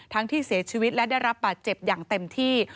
ที่เสียชีวิตและได้รับบาดเจ็บอย่างเต็มที่